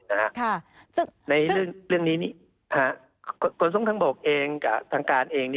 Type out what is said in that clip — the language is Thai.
ซึ่งในเรื่องนี้ขนส่งทางบกเองกับทางการเอง